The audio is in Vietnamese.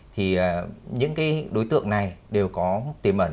thì những đối tượng này đều có tìm mẩn